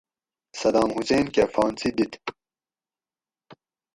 صدام حسین کہ پھانسی دِت